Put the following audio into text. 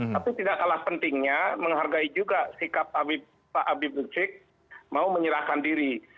tapi tidak kalah pentingnya menghargai juga sikap pak habib rizik mau menyerahkan diri